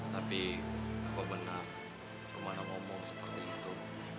tapi apa benar rumana ngomong seperti itu